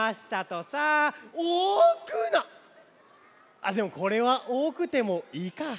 あっでもこれはおおくてもいいか。